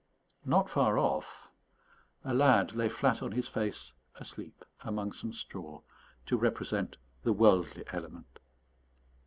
Not far off, a lad lay flat on his face asleep among some straw, to represent the worldly element.